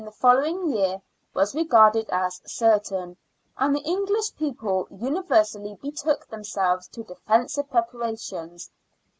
the following year was regarded as certain, and the English people universally betook themselves to defensive prepara tions.